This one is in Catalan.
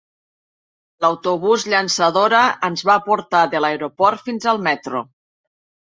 L'autobús llançadora ens va portar de l'aeroport fins al metro.